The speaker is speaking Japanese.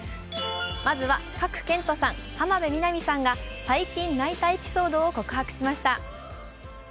まずは賀来賢人さん、浜辺美波さんが最近泣いたエピソードを公開しました。